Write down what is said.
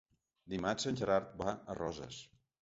Dimarts en Gerard va a Roses.